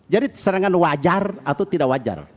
jadi serangan wajar atau tidak wajar